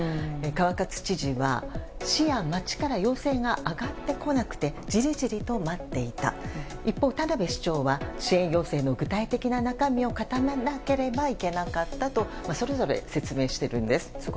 川勝知事は市や町から要請が上がってこなくてじりじりと待っていた一方、田辺市長は支援要請の具体的な中身を固めなければいけなかったとそれぞれ説明しているんです。